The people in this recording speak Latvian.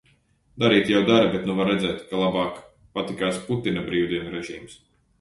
Darīt jau dara, bet nu var redzēt, ka labāk patikās Putina brīvdienu režīms.